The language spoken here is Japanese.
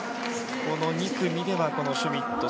この２組ではこのシュミット